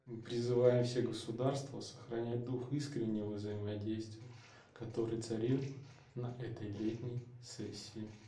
Мы призываем все государства сохранять дух искреннего взаимодействия, который царил на этой летней сессии.